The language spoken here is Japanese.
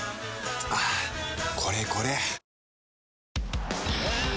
はぁこれこれ！